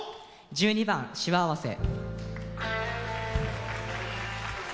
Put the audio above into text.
１２番「しわあわせ」。